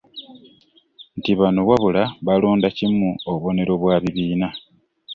Nti bano wabula balonda kimu obubonero bwa bibiina.